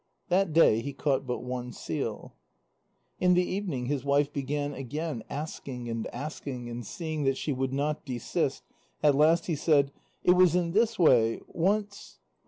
That day he caught but one seal. In the evening, his wife began again asking and asking, and seeing that she would not desist, at last he said: "It was in this way. Once